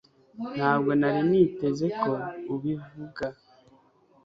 Ntabwo nari niteze ko ubivuga